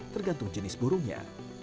tergantung jenis burungnya